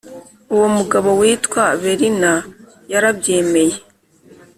Uwo mugabo witwa berina yarabyemeye